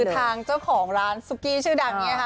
ทางเจ้าของร้านซุกี้ชื่อดังเนี่ยค่ะ